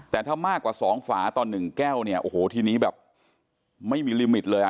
แต่ถ้ามากกว่า๒ฝาต่อ๑แก้วโอ้โฮทีนี้แบบไม่มีลิมิตเลย